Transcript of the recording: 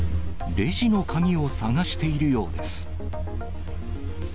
レジの鍵を探しているようです。